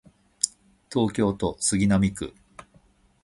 東京都杉並区